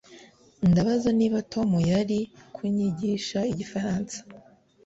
Ndabaza niba Tom yari kunyigisha igifaransa